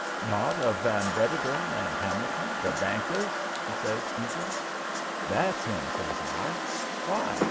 "Not of Van Wedderburn & Hamilton, the bankers?" she asks, eager. "That's him," says I. "Why?